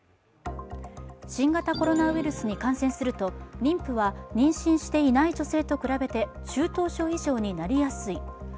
新型コロナウイルスに感染すると妊婦は妊娠していない女性と比べて中等症以上になりやすすい。